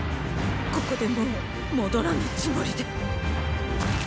ここでもう戻らぬつもりで。